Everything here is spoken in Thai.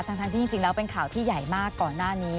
ทั้งที่จริงแล้วเป็นข่าวที่ใหญ่มากก่อนหน้านี้